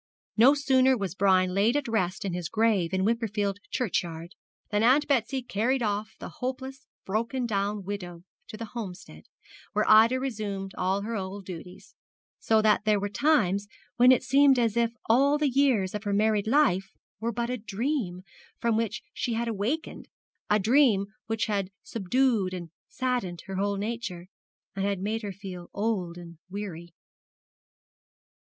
No sooner was Brian laid at rest in his grave in Wimperfield churchyard than Aunt Betsy carried off the hopeless, broken down widow to the Homestead, where Ida resumed all her old duties; so that there were times when it seemed as if all the years of her married life were but a dream from which she had awakened, a dream which had subdued and saddened her whole nature, and had made her feel old and weary.